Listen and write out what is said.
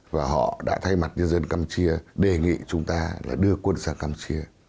và họ đã thay mặt nhân dân campuchia đề nghị chúng ta là đưa quân sang campuchia